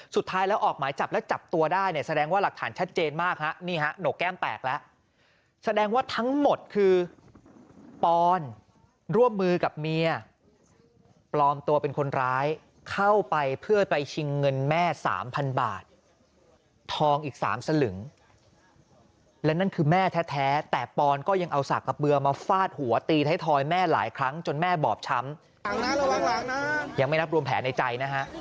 สุดท้ายแล้วออกหมายจับแล้วจับตัวได้เนี่ยแสดงว่าหลักฐานชัดเจนมากฮะนี่ฮะหนกแก้มแตกแล้วแสดงว่าทั้งหมดคือปอนร่วมมือกับเมียปลอมตัวเป็นคนร้ายเข้าไปเพื่อไปชิงเงินแม่สามพันบาททองอีก๓สลึงและนั่นคือแม่แท้แต่ปอนก็ยังเอาสากกระเบือมาฟาดหัวตีไทยทอยแม่หลายครั้งจนแม่บอบช้ำยังไม่นับรวมแผลในใจนะฮะ